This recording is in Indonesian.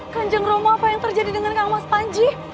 kanjeng romo apa yang terjadi dengan kang mas panji